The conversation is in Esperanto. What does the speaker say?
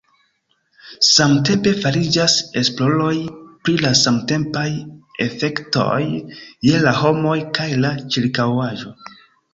Samtempe fariĝas esploroj pri la samtempaj efektoj je la homoj kaj la ĉirkaŭaĵo.